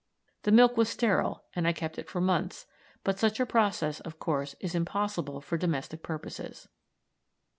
The milk was sterile, and I kept it for months, but such a process, of course, is impossible for domestic purposes.